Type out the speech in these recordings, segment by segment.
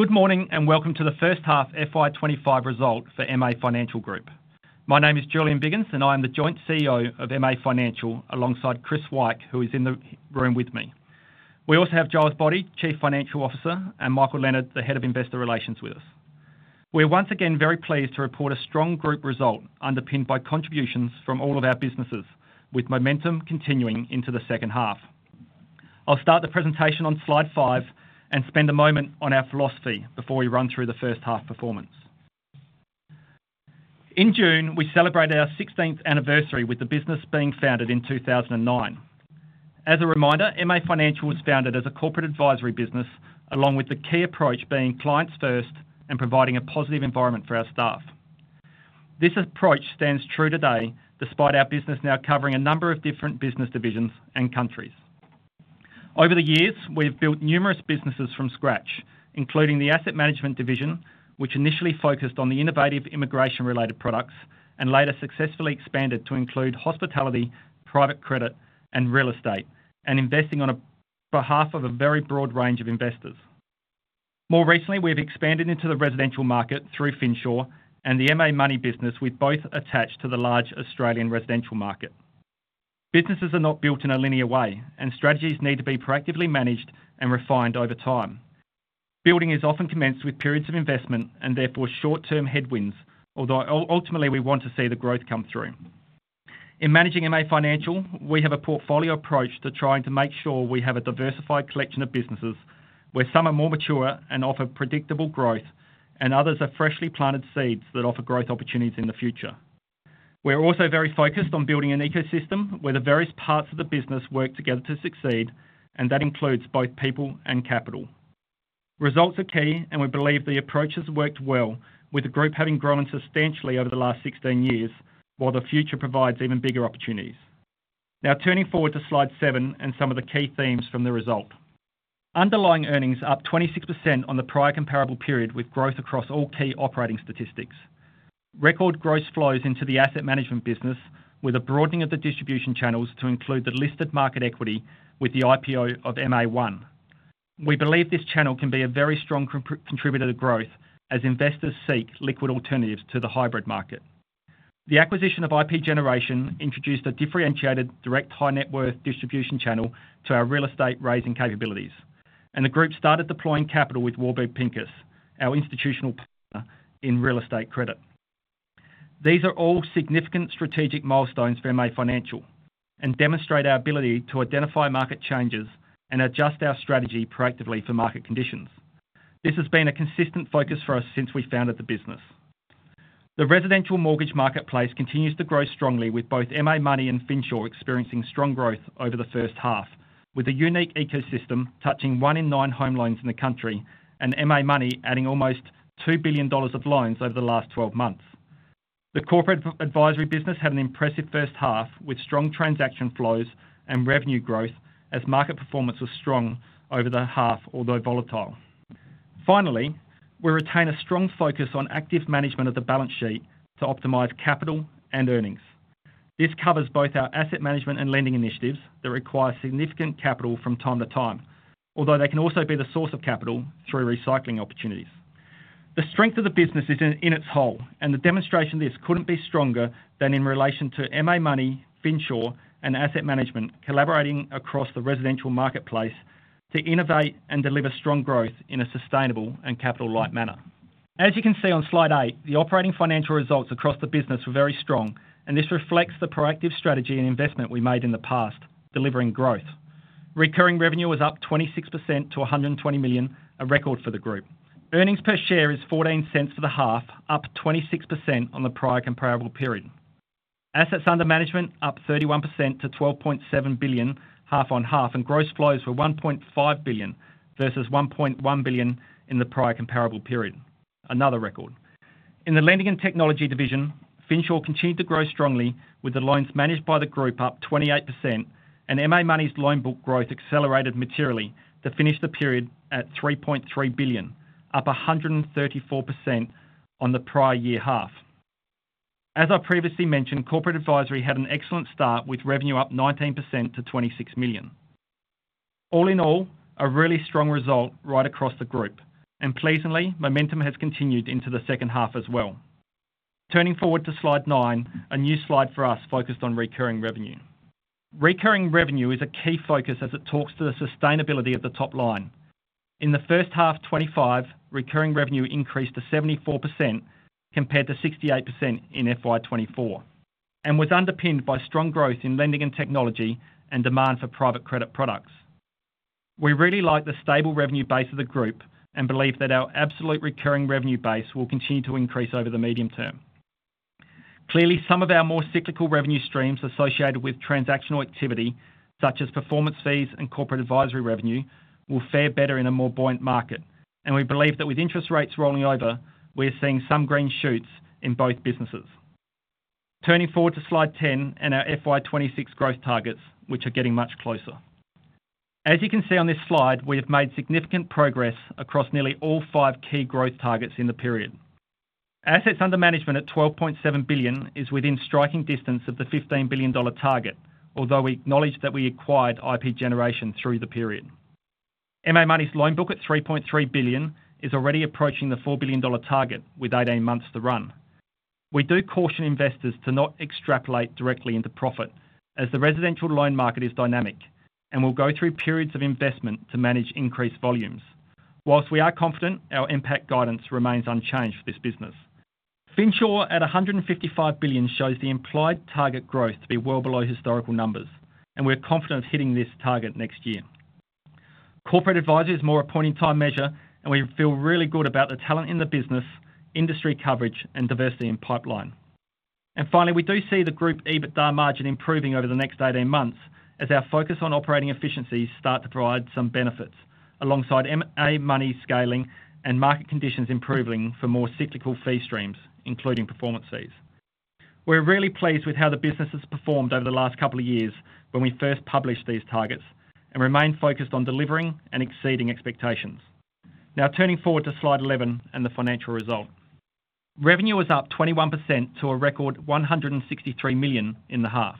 Good morning and welcome to the first half FY25 result for MA Financial Group. My name is Julian Biggins and I am the Joint CEO of MA Financial alongside Chris Wyke, who is in the room with me. We also have Giles Boddy, Chief Financial Officer, and Michael Leonard, the Head of Investor Relations, with us. We're once again very pleased to report a strong group result underpinned by contributions from all of our businesses, with momentum continuing into the second half. I'll start the presentation on slide 5 and spend a moment on our philosophy before we run through the first half performance. In June, we celebrate our 16th anniversary with the business being founded in 2009. As a reminder, MA Financial was founded as a corporate advisory business, along with the key approach being clients first and providing a positive environment for our staff. This approach stands true today, despite our business now covering a number of different business divisions and countries. Over the years, we've built numerous businesses from scratch, including the Asset Management division, which initially focused on the innovative immigration-related products and later successfully expanded to include hospitality, private credit, and real estate, and investing on behalf of a very broad range of investors. More recently, we've expanded into the residential market through Finshore and the MA Money business, with both attached to the large Australian residential market. Businesses are not built in a linear way, and strategies need to be proactively managed and refined over time. Building is often commenced with periods of investment and therefore short-term headwinds, although ultimately we want to see the growth come through. In managing MA Financial, we have a portfolio approach to trying to make sure we have a diversified collection of businesses, where some are more mature and offer predictable growth, and others are freshly planted seeds that offer growth opportunities in the future. We're also very focused on building an ecosystem where the various parts of the business work together to succeed, and that includes both people and capital. Results are key, and we believe the approach has worked well, with the group having grown substantially over the last 16 years, while the future provides even bigger opportunities. Now, turning forward to slide 7 and some of the key themes from the result. Underlying earnings are up 26% on the prior comparable period, with growth across all key operating statistics. Record growth flows into the Asset Management business, with a broadening of the distribution channels to include the listed market equity with the IPO of MA1. We believe this channel can be a very strong contributor to growth as investors seek liquid alternatives to the hybrid market. The acquisition of IP Generation introduced a differentiated direct high-net-worth distribution channel to our real estate raising capabilities, and the group started deploying capital with Warburg Pincus, our institutional partner in real estate credit. These are all significant strategic milestones for MA Financial Group and demonstrate our ability to identify market changes and adjust our strategy proactively for market conditions. This has been a consistent focus for us since we founded the business. The residential mortgage ecosystem continues to grow strongly, with both MA Money and Finshore experiencing strong growth over the first half, with a unique ecosystem touching one in nine home loans in the country and MA Money adding almost $2 billion of loans over the last 12 months. The corporate advisory business had an impressive first half with strong transaction flows and revenue growth as market performance was strong over the half, although volatile. Finally, we retain a strong focus on active management of the balance sheet to optimize capital and earnings. This covers both our asset management and lending initiatives that require significant capital from time to time, although they can also be the source of capital through recycling opportunities. The strength of the business is in its whole, and the demonstration of this couldn't be stronger than in relation to MA Money, Finshore, and Asset Management collaborating across the residential mortgage ecosystem to innovate and deliver strong growth in a sustainable and capital-light manner. As you can see on slide 8, the operating financial results across the business were very strong, and this reflects the proactive strategy and investment we made in the past, delivering growth. Recurring revenue was up 26% to $120 million, a record for the group. Earnings per share is $0.14 for the half, up 26% on the prior comparable period. Assets under management up 31% to $12.7 billion, half on half, and gross inflows were $1.5 billion versus $1.1 billion in the prior comparable period, another record. In the lending and technology division, Finshore continued to grow strongly, with the loans managed by the group up 28%, and MA Money's loan book growth accelerated materially to finish the period at $3.3 billion, up 134% on the prior year half. As I previously mentioned, corporate advisory had an excellent start, with revenue up 19% to $26 million. All in all, a really strong result right across the group, and pleasingly, momentum has continued into the second half as well. Turning forward to slide 9, a new slide for us focused on recurring revenue. Recurring revenue is a key focus as it talks to the sustainability at the top line. In the first half, 25% recurring revenue increased to 74% compared to 68% in FY24, and was underpinned by strong growth in lending and technology and demand for private credit products. We really like the stable revenue base of the group and believe that our absolute recurring revenue base will continue to increase over the medium term. Clearly, some of our more cyclical revenue streams associated with transactional activity, such as performance fees and corporate advisory revenue, will fare better in a more buoyant market, and we believe that with interest rates rolling over, we're seeing some green shoots in both businesses. Turning forward to slide 10 and our FY26 growth targets, which are getting much closer. As you can see on this slide, we have made significant progress across nearly all five key growth targets in the period. Assets under management at $12.7 billion is within striking distance of the $15 billion target, although we acknowledge that we acquired IP Generation through the period. MA Money's loan book at $3.3 billion is already approaching the $4 billion target with 18 months to run. We do caution investors to not extrapolate directly into profit as the residential loan market is dynamic and will go through periods of investment to manage increased volumes. Whilst we are confident, our impact guidance remains unchanged for this business. Finshore at $155 billion shows the implied target growth to be well below historical numbers, and we're confident of hitting this target next year. Corporate advisory is more a point-in-time measure, and we feel really good about the talent in the business, industry coverage, and diversity in pipeline. We do see the group EBITDA margin improving over the next 18 months as our focus on operating efficiencies starts to provide some benefits alongside MA Money scaling and market conditions improving for more cyclical fee streams, including performance fees. We're really pleased with how the business has performed over the last couple of years when we first published these targets and remain focused on delivering and exceeding expectations. Now, turning forward to slide 11 and the financial result. Revenue was up 21% to a record $163 million in the half.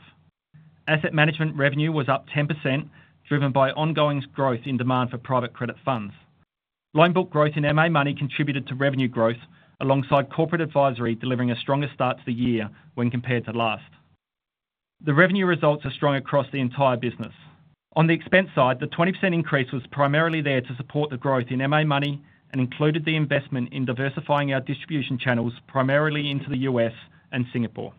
Asset management revenue was up 10%, driven by ongoing growth in demand for private credit funds. Loan book growth in MA Money contributed to revenue growth alongside corporate advisory delivering a stronger start to the year when compared to last. The revenue results are strong across the entire business. On the expense side, the 20% increase was primarily there to support the growth in MA Money and included the investment in diversifying our distribution channels primarily into the U.S. and Singapore.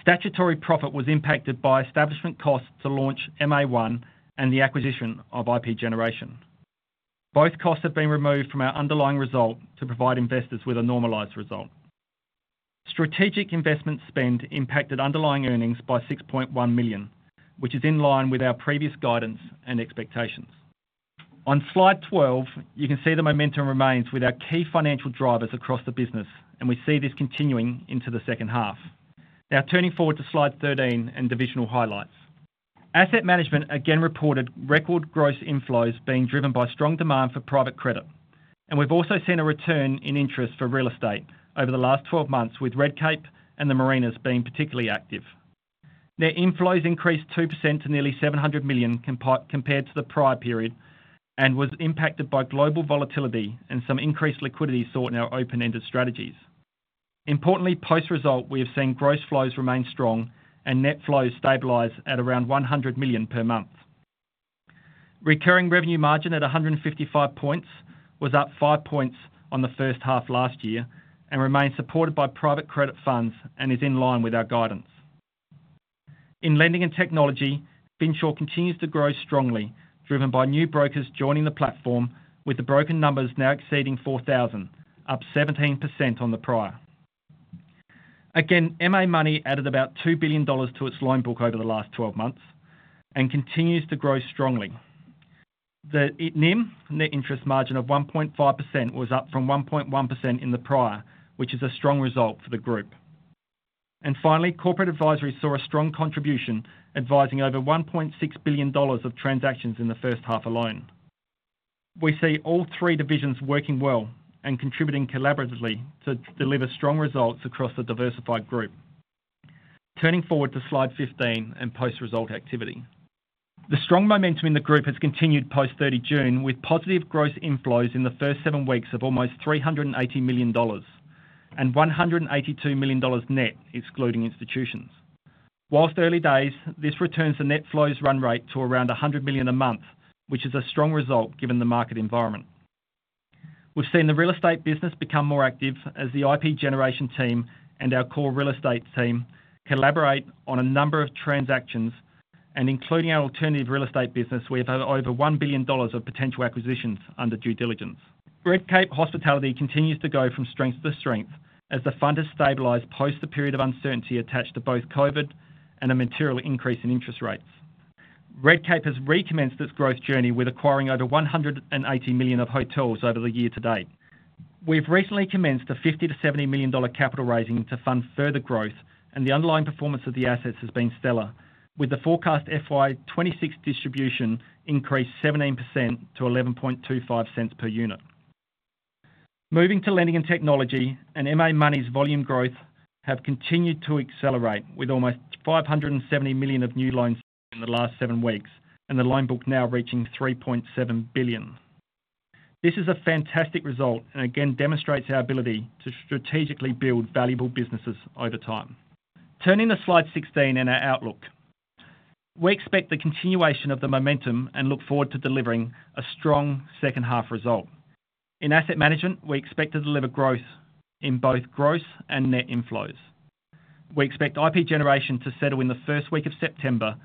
Statutory profit was impacted by establishment costs to launch MA1 and the acquisition of IP Generation. Both costs have been removed from our underlying result to provide investors with a normalized result. Strategic investment spend impacted underlying earnings by $6.1 million, which is in line with our previous guidance and expectations. On slide 12, you can see the momentum remains with our key financial drivers across the business, and we see this continuing into the second half. Now, turning forward to slide 13 and divisional highlights. Asset management again reported record gross inflows being driven by strong demand for private credit, and we've also seen a return in interest for real estate over the last 12 months, with Redcape and the Marinas being particularly active. Their inflows increased 2% to nearly $700 million compared to the prior period and were impacted by global volatility and some increased liquidity sought in our open-ended strategies. Importantly, post-result, we have seen gross flows remain strong and net flows stabilize at around $100 million per month. Recurring revenue margin at 155 points was up 5 points on the first half last year and remains supported by private credit funds and is in line with our guidance. In lending and technology, Finshore continues to grow strongly, driven by new brokers joining the platform, with the broker numbers now exceeding 4,000, up 17% on the prior. MA Money added about $2 billion to its loan book over the last 12 months and continues to grow strongly. The ITNIM net interest margin of 1.5% was up from 1.1% in the prior, which is a strong result for the group. Finally, corporate advisory saw a strong contribution, advising over $1.6 billion of transactions in the first half alone. We see all three divisions working well and contributing collaboratively to deliver strong results across the diversified group. Turning forward to slide 15 and post-result activity. The strong momentum in the group has continued post 30 June, with positive gross inflows in the first seven weeks of almost $380 million and $182 million net excluding institutions. Whilst early days, this returns the net flows run rate to around $100 million a month, which is a strong result given the market environment. We've seen the real estate business become more active as the IP Generation team and our core real estate team collaborate on a number of transactions, and including our alternative real estate business, we have had over $1 billion of potential acquisitions under due diligence. Redcape Hospitality continues to go from strength to strength as the fund has stabilized post the period of uncertainty attached to both COVID and a material increase in interest rates. Redcape has recommenced its growth journey with acquiring over $180 million of hotels over the year to date. We've recently commenced a $50million- $70 million capital raising to fund further growth, and the underlying performance of the assets has been stellar, with the forecast FY26 distribution increased 17% to $11.25 per unit. Moving to lending and technology, MA Money's volume growth has continued to accelerate, with almost $570 million of new loans in the last seven weeks and the loan book now reaching $3.7 billion. This is a fantastic result and again demonstrates our ability to strategically build valuable businesses over time. Turning to slide 16 and our outlook, we expect the continuation of the momentum and look forward to delivering a strong second half result. In asset management, we expect to deliver growth in both gross and net inflows. We expect IP Generation to settle in the first week of September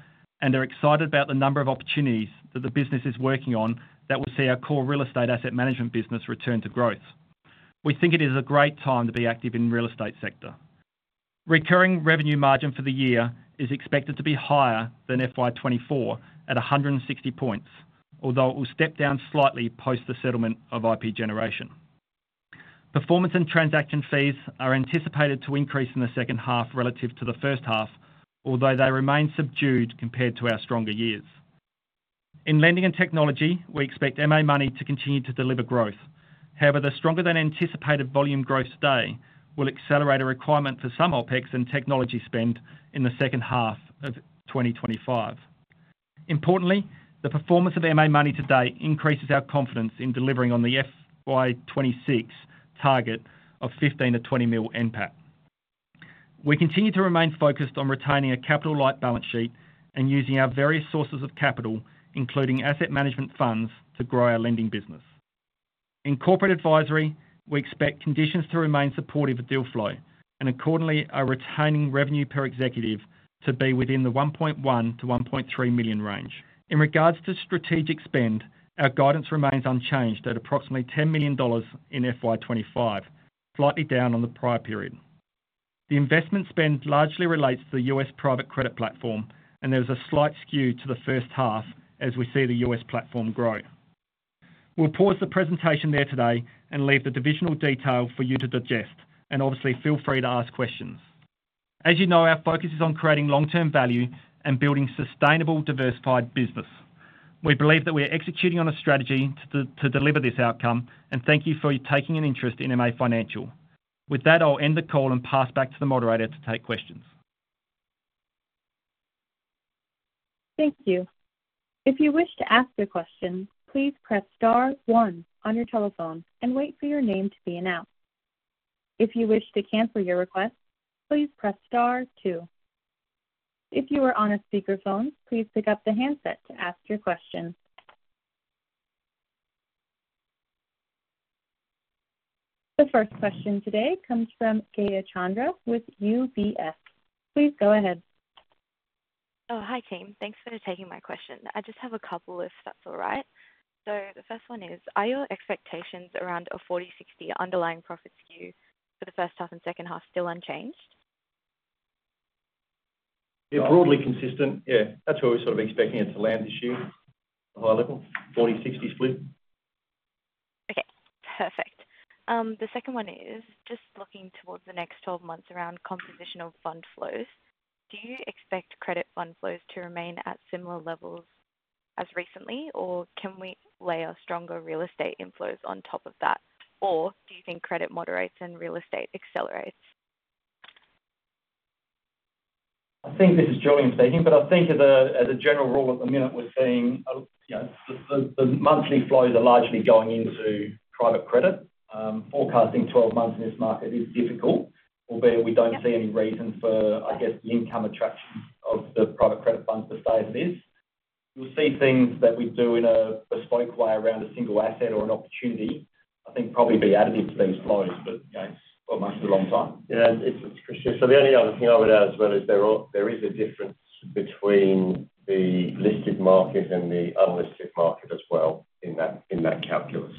and are excited about the number of opportunities that the business is working on that will see our core real estate asset management business return to growth. We think it is a great time to be active in the real estate sector. Recurring revenue margin for the year is expected to be higher than FY24 at 160 points, although it will step down slightly post the settlement of IP Generation. Performance and transaction fees are anticipated to increase in the second half relative to the first half, although they remain subdued compared to our stronger years. In lending and technology, we expect MA Money to continue to deliver growth. However, the stronger than anticipated volume growth today will accelerate a requirement for some OpEx and technology spend in the second half of 2025. Importantly, the performance of MA Money today increases our confidence in delivering on the FY26 target of $15-$20 million NPAC. We continue to remain focused on retaining a capital-light balance sheet and using our various sources of capital, including asset management funds, to grow our lending business. In corporate advisory, we expect conditions to remain supportive of deal flow and accordingly are retaining revenue per executive to be within the $1.1-$1.3 million range. In regards to strategic spend, our guidance remains unchanged at approximately $10 million in FY25, slightly down on the prior period. The investment spend largely relates to the U.S. private credit platform, and there is a slight skew to the first half as we see the U.S. platform grow. We'll pause the presentation there today and leave the divisional detail for you to digest, and obviously feel free to ask questions. As you know, our focus is on creating long-term value and building a sustainable diversified business. We believe that we are executing on a strategy to deliver this outcome, and thank you for your taking an interest in MA Financial Group. With that, I'll end the call and pass back to the moderator to take questions. Thank you. If you wish to ask your question, please press star one on your telephone and wait for your name to be announced. If you wish to cancel your request, please press star two. If you are on a speaker phone, please pick up the handset to ask your question. The first question today comes from Gayachandra with UBS. Please go ahead. Oh, hi team. Thanks for taking my question. I just have a couple if that's all right. The first one is, are your expectations around a 40/60 underlying profit skew for the first half and second half still unchanged? Yeah, broadly consistent. Yeah, that's where we're sort of expecting it to land this year, a high-level 40/60 split. Okay, perfect. The second one is just looking towards the next 12 months around composition of fund flows. Do you expect credit fund flows to remain at similar levels as recently, or can we layer stronger real estate inflows on top of that? Or do you think credit moderates and real estate accelerates? I think this is Julian speaking, but I think as a general rule with the amount we're seeing, the monthly flows are largely going into private credit. I think 12 months in this market is difficult, albeit we don't see any reason for, I guess, the income attraction of the private credit funds to stay as it is. We'll see things that we do in a bespoke way around a single asset or an opportunity. I think probably be additive to these flows, but you know, it's almost a long time. Yeah. The only other thing I would add as well is there is a difference between the listed market and the unlisted market as well in that calculus.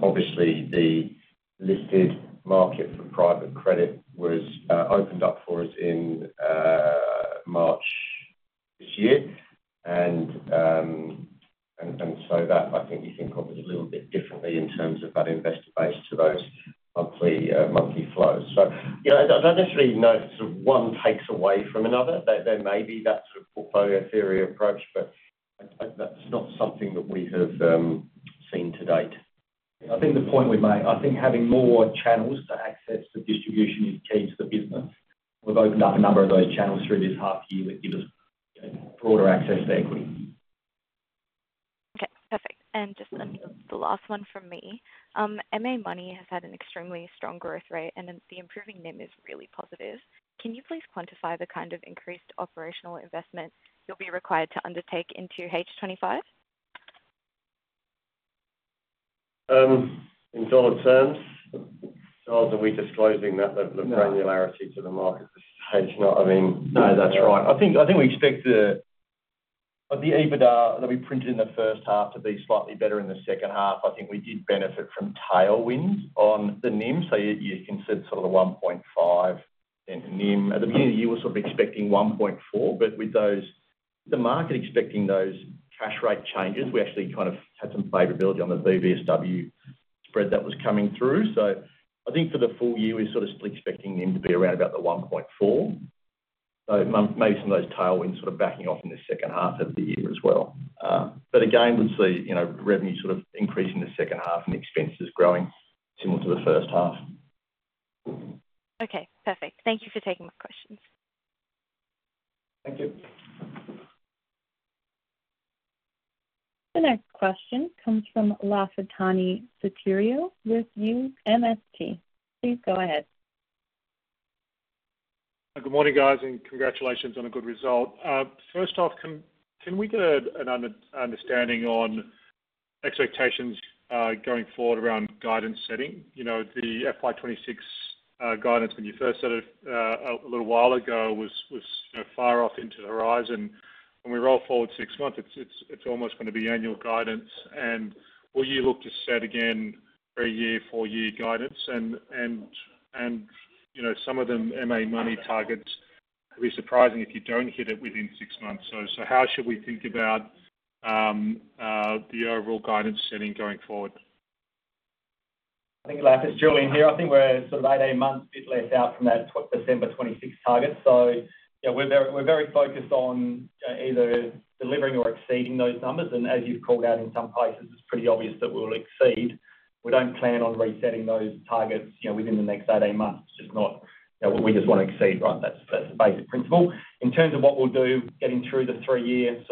Obviously, the listed market for private credit was opened up for us in March this year, and so that gave you, I think, probably a little bit differently in terms of that investor base to those monthly flows. I don't necessarily know if one takes away from another. There may be that sort of portfolio theory approach, but that's not something that we have seen to date. I think the point we made, having more channels to access the distribution is key to the business. We'll open up a number of those channels through this half year that gives us broader access to equity. Okay, perfect. Just the last one from me. MA Money has had an extremely strong growth rate, and the improving NIM is really positive. Can you please quantify the kind of increased operational investment you'll be required to undertake into H25? In dollar terms? Rather than disclosing that level of granularity to the market, it's not, I mean. No, that's right. I think we expect the EBITDA that we printed in the first half to be slightly better in the second half. I think we did benefit from tailwinds on the NIM, so you consider sort of the 1.5 in NIM. At the beginning of the year, we're sort of expecting 1.4, but with those, the market expecting those cash rate changes, we actually kind of had some favorability on the BBSW spread that was coming through. I think for the full year, we're sort of still expecting NIM to be around about the 1.4. Maybe some of those tailwinds sort of backing off in the second half of the year as well. Again, we'd see revenue sort of increasing the second half and expenses growing similar to the first half. Okay, perfect. Thank you for taking my questions. The next question comes from Lafitani Vukurio with UMS team. Please go ahead. Good morning guys and congratulations on a good result. First off, can we get an understanding on expectations going forward around guidance setting? The FY2026 guidance when you first set it a little while ago was far off into the horizon. When we roll forward six months, it's almost going to be annual guidance. Will you look to set again per year, four-year guidance? Some of the MA Money targets will be surprising if you don't hit it within six months. How should we think about the overall guidance setting going forward? I think. Glad it's Julian here. I think we're sort of 18 months left out from that December 2026 target. We're very focused on either delivering or exceeding those numbers. As you've called out in some places, it's pretty obvious that we'll exceed. We don't plan on resetting those targets within the next 18 months. It's just not, we just want to exceed, right? That's the basic principle. In terms of what we'll do, getting through the three-year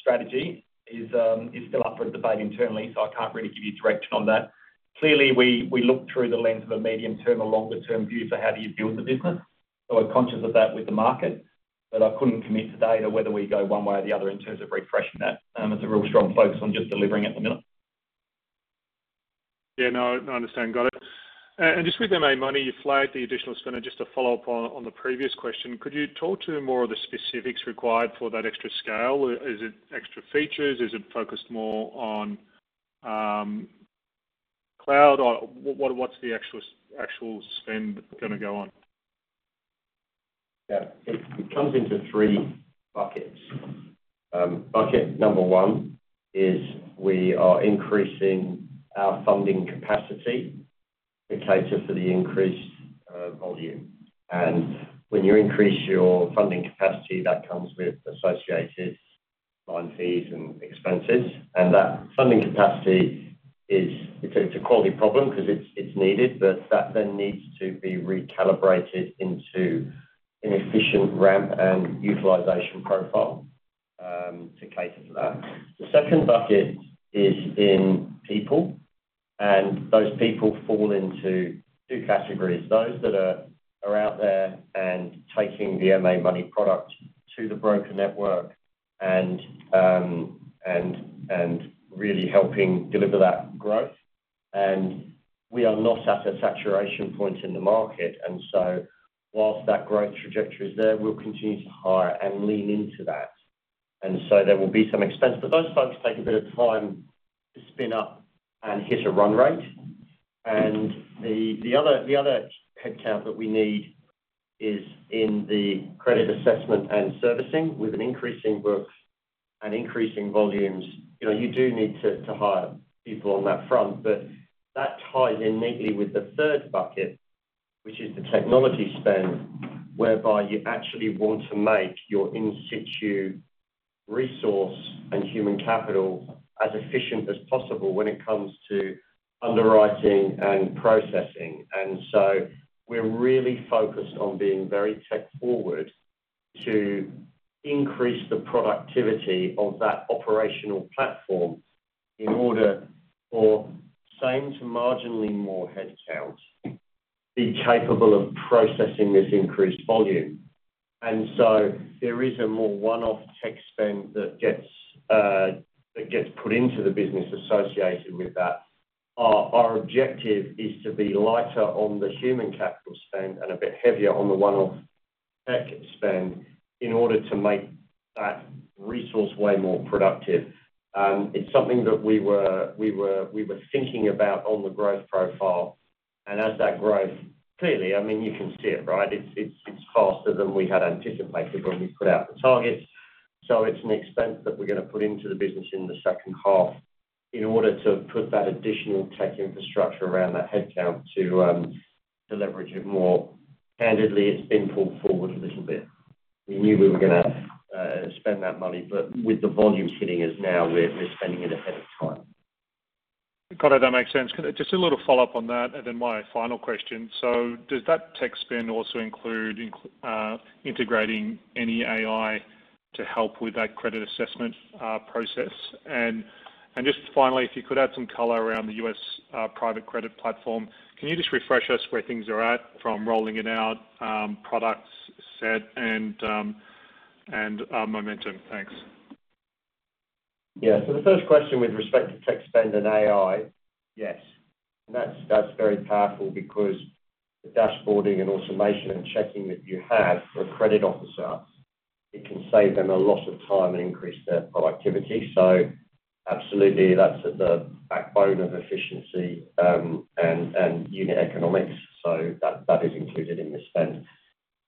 strategy is still up for debate internally, so I can't really give you direction on that. Clearly, we look through the lens of a medium-term or longer-term view for how we build the business. We're conscious of that with the market, but I couldn't commit today to whether we go one way or the other in terms of refreshing that. It's a real strong focus on just delivering at the minute. Yeah, no, I understand. Got it. Just with MA Money, you flagged the additional spend. To follow up on the previous question, could you talk to more of the specifics required for that extra scale? Is it extra features? Is it focused more on cloud? What's the actual spend going to go on? It comes into three buckets. Bucket number one is we are increasing our funding capacity to cater for the increased volume. When you increase your funding capacity, that comes with associated line fees and expenses. That funding capacity is a quality problem because it's needed, but that then needs to be recalibrated into an efficient ramp and utilization profile to cater for that. The second bucket is in people, and those people fall into two categories. Those that are out there and taking the MA Money product to the broker network and really helping deliver that growth. We are not at a saturation point in the market. Whilst that growth trajectory is there, we'll continue to hire and lean into that. There will be some expense, but those funds take a bit of time to spin up and hit a run rate. The other headcount that we need is in the credit assessment and servicing. With increasing growth and increasing volumes, you do need to hire people on that front. That ties in neatly with the third bucket, which is the technology spend, whereby you actually want to make your in-situ resource and human capital as efficient as possible when it comes to underwriting and processing. We're really focused on being very tech-forward to increase the productivity of that operational platform in order for same to marginally more headcount to be capable of processing this increased volume. There is a more one-off tech spend that gets put into the business associated with that. Our objective is to be lighter on the human capital spend and a bit heavier on the one-off tech spend in order to make that resource way more productive. It's something that we were thinking about on the growth profile. As that growth, clearly, I mean, you can see it, right? It's faster than we had anticipated when we put out the targets. It's an expense that we're going to put into the business in the second half in order to put that additional tech infrastructure around that headcount to leverage it more. Candidly, it's been pulled forward a little bit. We knew we were going to spend that money, but with the volume hitting us now, we're spending it ahead of time. Got it. That makes sense. Just a little follow-up on that, and then my final question. Does that tech spend also include integrating any AI to help with that credit assessment process? Finally, if you could add some color around the U.S. private credit platform, can you just refresh us where things are at from rolling it out, product set, and momentum? Thanks. Yeah, so the first question with respect to tech spend and AI, yes. That's very powerful because the dashboarding and automation and checking that you have for a credit officer can save them a lot of time and increase their productivity. Absolutely, that's at the backbone of efficiency and unit economics. That is included in the spend.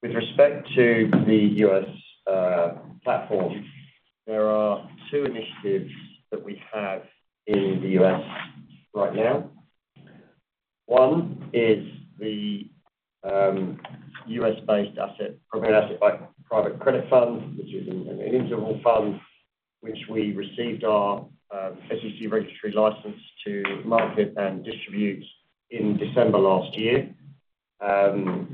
With respect to the U.S. platform, there are two initiatives that we have in the U.S. right now. One is the U.S.-based asset program, Asset by Private Credit Fund, which is an interval fund, which we received our SEC registry license to market and distribute in December last year. The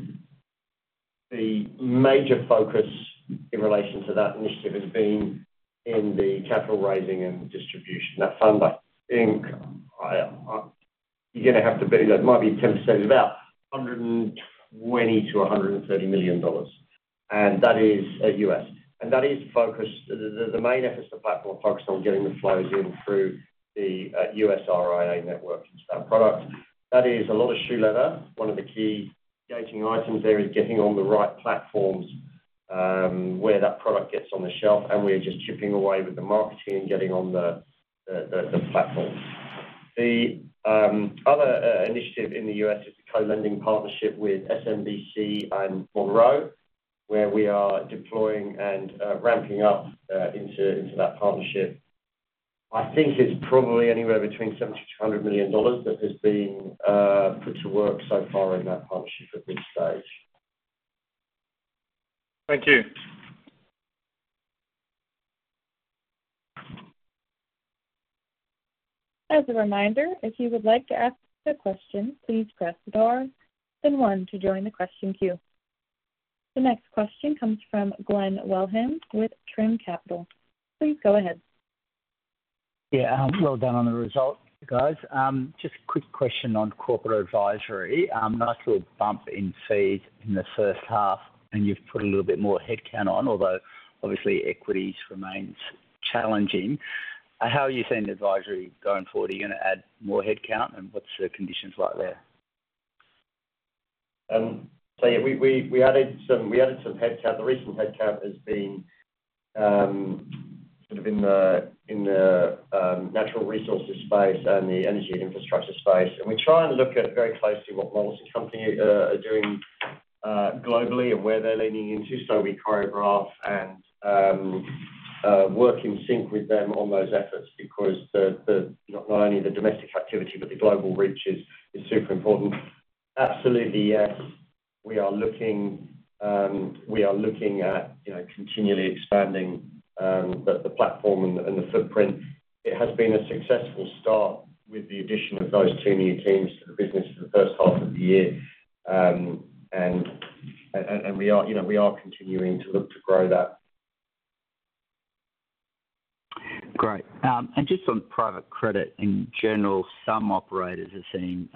major focus in relation to that initiative has been in the capital raising and distribution of that fund. You might be tempted to say it's about $120 million to $130 million. That is U.S. and that is focused. The main efforts of the platform are focused on getting the flows in through the U.S. RIA network product. That is a lot of shoe leather. One of the key gauging items there is getting on the right platforms where that product gets on the shelf, and we're just chipping away with the marketing and getting on the platforms. The other initiative in the U.S. is co-lending partnership with SMBC and Monroe, where we are deploying and ramping up into that partnership. I think it's probably anywhere between $700 million-$1 billion that has been put to work so far in that partnership at this stage. Thank you. As a reminder, if you would like to ask a question, please press the bar, then one to join the question queue. The next question comes from Glen Wellham with Trim Capital. Please go ahead. Yeah, I'll roll down on the result, guys. Just a quick question on corporate advisory. Nice little bump in fees in the first half, and you've put a little bit more headcount on, although obviously equities remain challenging. How are you seeing the advisory going forward? Are you going to add more headcount, and what's the conditions like there? Yes, we added some headcount. The recent headcount has been in the natural resources space and the energy infrastructure space. We try and look very closely at what models the company is doing globally and where they're leaning into. We work in sync with them on those efforts because not only the domestic activity, but the global reach is super important. Absolutely, yes, we are looking at continually expanding the platform and the footprint. It has been a successful start with the addition of those two new teams to the business for the first part of the year. We are continuing to look to grow that. Great. Just on private credit in general, some operators are seeing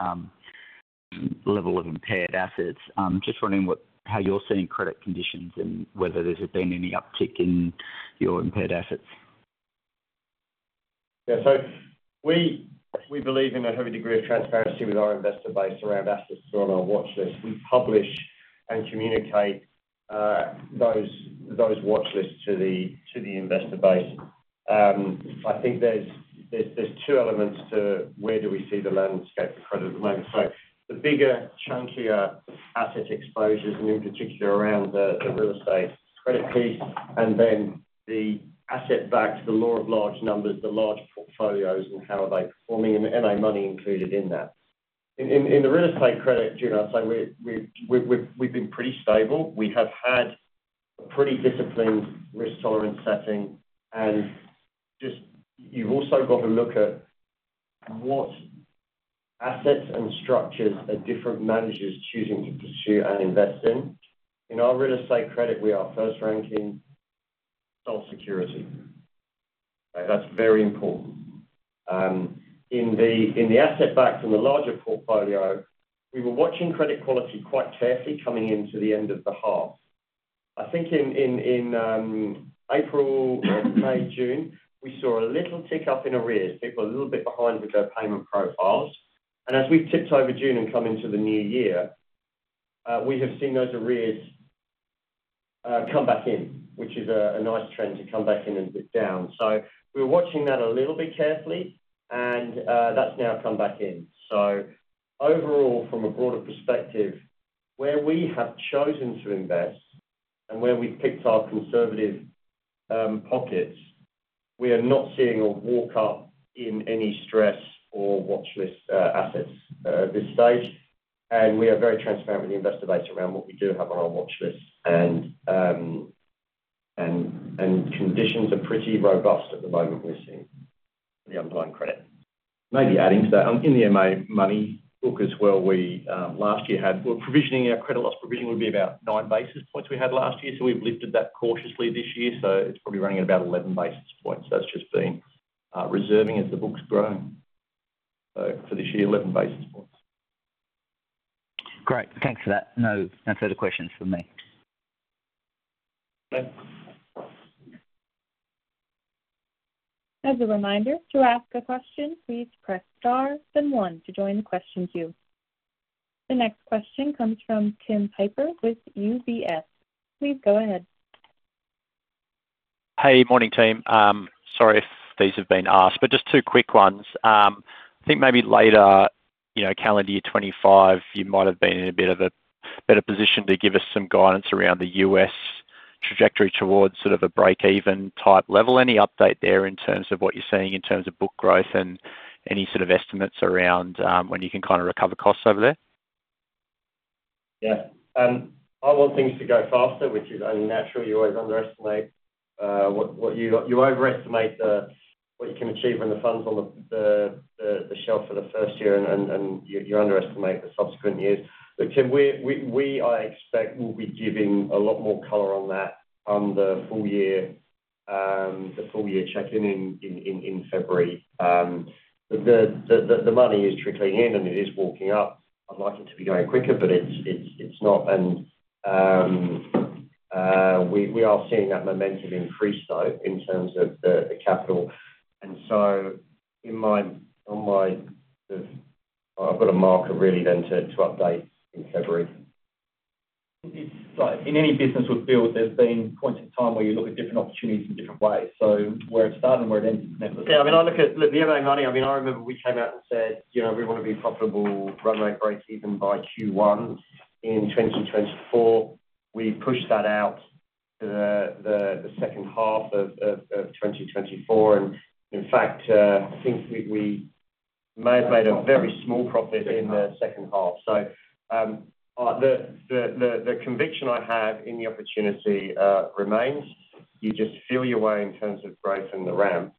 level of impaired assets. I'm just wondering how you're seeing credit conditions and whether there's been any uptick in your impaired assets. Yeah, so we believe in a heavy degree of transparency with our investor base around assets drawn on watch lists. We publish and communicate those watch lists to the investor base. I think there's two elements to where do we see the landscape of credit at the moment. The bigger, chunkier asset exposures, and in particular around the real estate credit piece, and then the asset backed to the large numbers, the large portfolios, and how are they performing and MA Money included in that. In the real estate credit, I'd say we've been pretty stable. We have had a pretty disciplined risk tolerance setting. You've also got to look at what assets and structures different managers are choosing to pursue and invest in. In our real estate credit, we are first ranking sole security. That's very important. In the asset backed and the larger portfolio, we were watching credit quality quite carefully coming into the end of the half. I think in April, May, June, we saw a little tick up in arrears. People are a little bit behind with their payment profiles. As we've tipped over June and come into the new year, we have seen those arrears come back in, which is a nice trend to come back in and down. We're watching that a little bit carefully, and that's now come back in. Overall, from a broader perspective, where we have chosen to invest and where we've picked our conservative pockets, we are not seeing a walk up in any stress or watch list assets at this stage. We are very transparent with the investor base around what we do have on our watch list. The conditions are pretty robust at the moment we're seeing for the underlying credit. Maybe adding to that, in the MA Money book as well, we last year had, we're provisioning our credit loss provision would be about 9 basis points we had last year. We've lifted that cautiously this year. It's probably running at about 11 basis points. That's just been reserving as the book's growing. For this year, 11 basis points. Great. Thanks for that. No further questions from me. As a reminder, to ask a question, please press star then one to join the question queue. The next question comes from Tim Piper with UBS. Please go ahead. Hey, morning team. Sorry if these have been asked, but just two quick ones. I think maybe later, you know, calendar year 2025, you might have been in a bit of a better position to give us some guidance around the U.S. trajectory towards sort of a break-even type level. Any update there in terms of what you're seeing in terms of book growth and any sort of estimates around when you can kind of recover costs over there? Yeah. I want things to go faster, which is unnatural. You always overestimate what you can achieve when the fund's on the shelf for the first year and you underestimate the subsequent years. I expect we'll be giving a lot more color on that on the full year check-in in February. The money is trickling in and it is walking up. I'd like it to be going quicker, but it's not. We are seeing that momentum in free stoke in terms of the capital. In my sort of, I've got a marker really then to update in February. It's like. In any business we build, there's been points in time where you look at different opportunities in different ways. Where it's done and where it ends never looked at. Yeah, I mean, I look at the MA Money. I mean, I remember we came out and said, you know, we want to be profitable, run rate break even by Q1 in 2024. We pushed that out to the second half of 2024. In fact, since we may have made a very small profit in the second half. The conviction I have in the opportunity remains. You just feel your way in terms of growth and the ramp.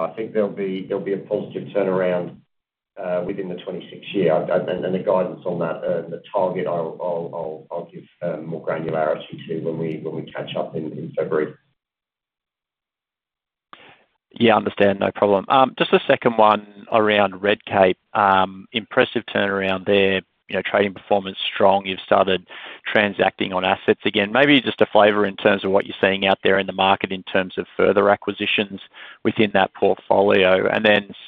I think there'll be a positive turnaround within the 2026 year. The guidance on that and the target, I'll give more granularity to when we catch up in February. Yeah, I understand. No problem. Just the second one around Redcape. Impressive turnaround there. Trading performance strong. You've started transacting on assets again. Maybe just a flavor in terms of what you're seeing out there in the market in terms of further acquisitions within that portfolio.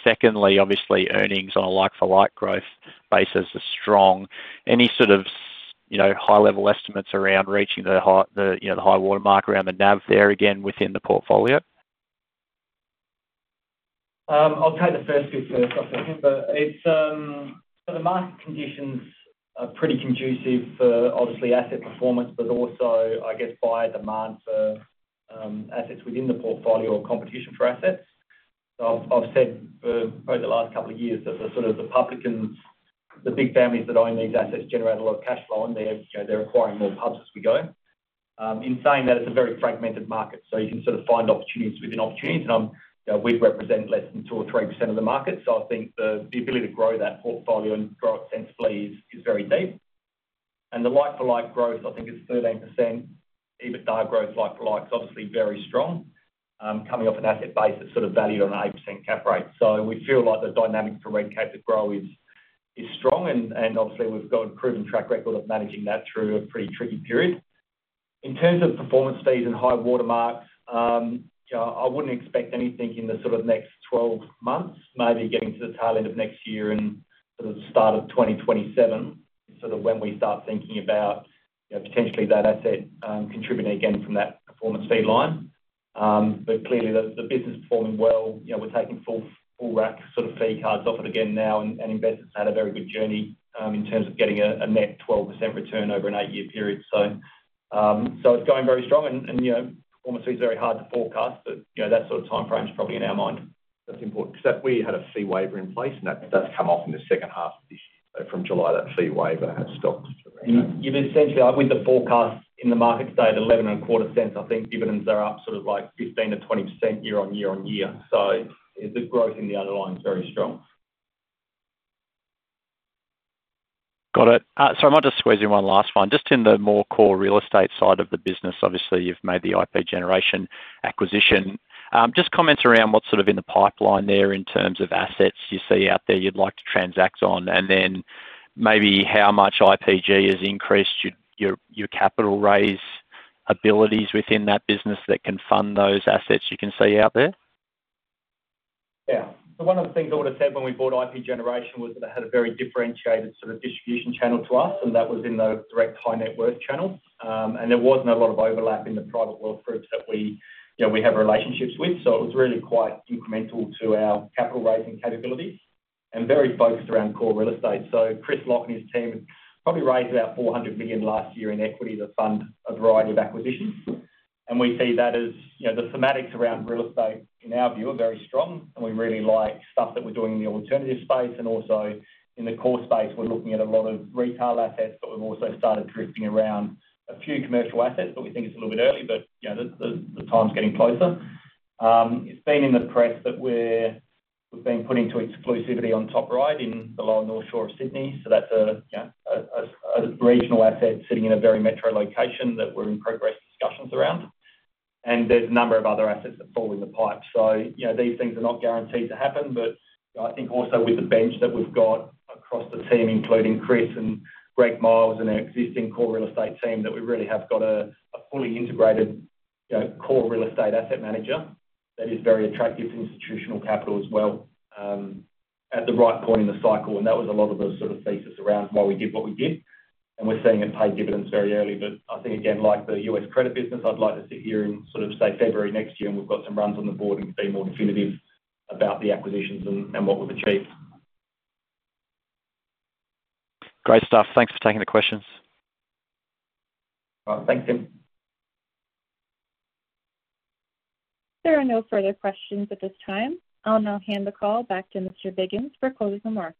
Secondly, obviously earnings on a like-for-like growth basis are strong. Any sort of high-level estimates around reaching the high watermark around the NAV there again within the portfolio? I'll take the first bit first. It's for the market conditions, which are pretty conducive for asset performance, but also, I guess, buyer demand for assets within the portfolio or competition for assets. I've said over the last couple of years that the public and the big families that own these assets generate a lot of cash flow, and they're acquiring them as we go. In saying that, it's a very fragmented market. You can find opportunities within opportunities. We'd represent less than 2 or 3% of the market. I think the ability to grow that portfolio and grow it sensibly is very deep. The like-for-like growth, I think it's 13%. EBITDA growth like-for-like is obviously very strong, coming off an asset base that's valued on an 8% cap rate. We feel like the dynamics for Redcape Hospitality to grow is strong. We've got a proven track record of managing that through a pretty tricky period. In terms of performance fees and high watermarks, I wouldn't expect anything in the next 12 months, maybe getting to the tail end of next year and the start of 2027. That's when we start thinking about potentially that asset contributing again from that performance fee line. Clearly, the business is performing well. We're taking full rack fee cards off it again now, and in bed has had a very good journey in terms of getting a net 12% return over an eight-year period. It's going very strong, and performance fee is very hard to forecast, but that sort of timeframe is probably in our mind. That's important because we had a fee waiver in place, and that does come off in the second half of this year. From July, that fee waiver has stopped. With the forecast in the market today at $0.1125, I think dividends are up like 15 to 20% year on year on year. The growth in the underlying is very strong. Got it. Sorry, I might just squeeze in one last one. Just in the more core real estate side of the business, obviously you've made the IP Generation acquisition. Just comments around what's sort of in the pipeline there in terms of assets you see out there you'd like to transact on, and then maybe how much IP Generation has increased your capital raise abilities within that business that can fund those assets you can see out there. Yeah. One of the things I would have said when we bought IP Generation was that it had a very differentiated sort of distribution channel to us, and that was in the direct high net worth channel. There wasn't a lot of overlap in the private wealth groups that we have relationships with. It was really quite detrimental to our capital raising capabilities and very focused around core real estate. Chris Lock and his team probably raised about $400 million last year in equity to fund a variety of acquisitions. We see that as, you know, the thematics around real estate in our view are very strong, and we really like stuff that we're doing in the alternative space and also in the core space. We're looking at a lot of retail assets, but we've also started drifting around a few commercial assets. We think it's a little bit early, but the time's getting closer. It's been in the press that we've been put into exclusivity on Top Ryde in the lower north shore of Sydney. That's a regional asset sitting in a very metro location that we're in progress discussions around. There are a number of other assets that fall in the pipe. These things are not guaranteed to happen, but I think also with the bench that we've got across the team, including Chris and Greg Miles and their existing core real estate team, we really have got a fully integrated core real estate asset manager that is very attractive to institutional capital as well at the right point in the cycle. That was a lot of the sort of thesis around why we did what we did. We're seeing it pay dividends very early, but I think again, like the U.S. credit business, I'd like to sit here in February next year and we've got some runs on the board and be more definitive about the acquisitions and what we've achieved. Great stuff. Thanks for taking the questions. Thanks Tim. There are no further questions at this time. I'll now hand the call back to Mr. Biggins for closing remarks.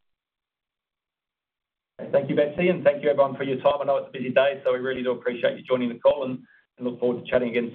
Thank you, Betsy, and thank you everyone for your time. I know it's a busy day, so we really do appreciate you joining the call and look forward to chatting again.